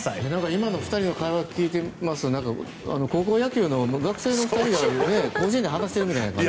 今の２人の会話を聞いていますと、高校野球の学生の２人が甲子園で話しているみたい。